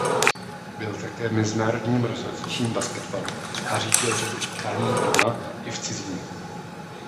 Byl také mezinárodním rozhodčím basketbalu a řídil řadu utkání doma i v cizině.